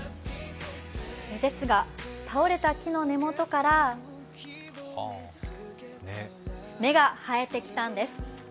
ですが倒れた木の根元から芽が生えてきたんです。